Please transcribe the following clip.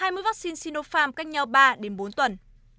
hai mũi vaccine sinopharm cách nhau ba đến bốn tuần